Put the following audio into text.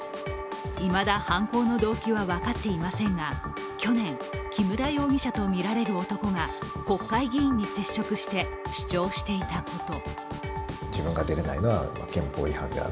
いまだ、犯行の動機は分かっていませんが去年、木村容疑者とみられる男が国会議員に接触して主張していたこと。